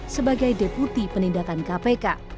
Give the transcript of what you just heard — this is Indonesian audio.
sebagai deputi penindakan kpk